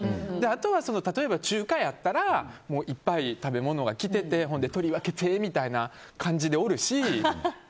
あとは例えば中華やったらいっぱい食べ物が来てて取り分けてみたいな感じでおるし。